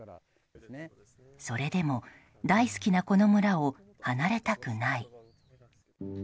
それでも大好きなこの村を離れたくない。